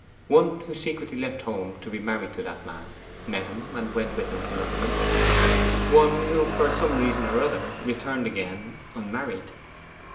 'One who secretly left her home to be married to that man, met him, and went with him to London. 'One who, for some reason or other, returned again unmarried.